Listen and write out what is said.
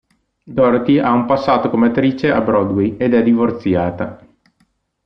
Dorothy ha un passato come attrice a Broadway ed è divorziata.